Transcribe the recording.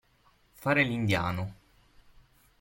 Fare l'indiano.